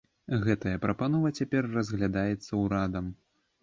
Гэтая прапанова цяпер разглядаецца ўрадам.